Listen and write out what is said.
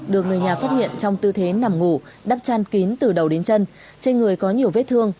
được người nhà phát hiện trong tư thế nằm ngủ đắp chăn kín từ đầu đến chân trên người có nhiều vết thương